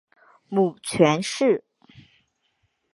母权氏。